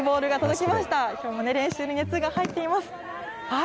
きょうも練習に熱が入っています。